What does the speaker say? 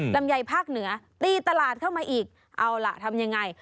ลำไยภาคเหนือตีตลาดเข้ามาอีกเอาล่ะทำยังไง